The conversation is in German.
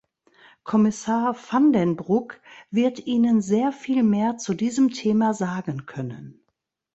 Kommissar Van den Broek wird Ihnen sehr viel mehr zu diesem Thema sagen können.